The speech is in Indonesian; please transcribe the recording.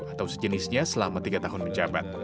atau sejenisnya selama tiga tahun menjabat